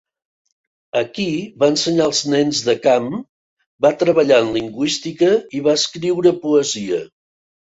Aquí va ensenyar els nens de camp, va treballar en lingüística i va escriure poesia.